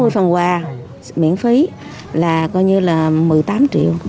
năm mươi phần quà miễn phí là coi như là một mươi tám triệu